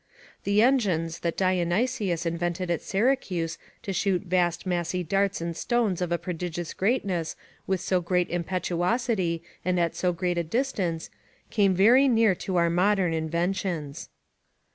The engines, that Dionysius invented at Syracuse to shoot vast massy darts and stones of a prodigious greatness with so great impetuosity and at so great a distance, came very near to our modern inventions.